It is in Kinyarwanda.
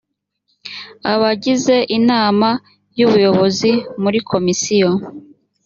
abagize inama y ubuyobozi muri komisiyo